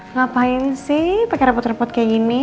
ngapain sih pakai repot repot kayak gini